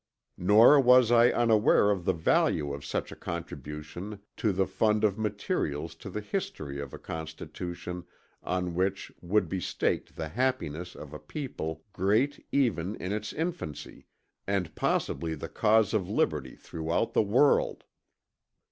Nor was I unaware of the value of such a contribution to the fund of materials to the history of a Constitution on which would be staked the happiness of a people great even in its infancy, and possibly the cause of liberty throughout the world.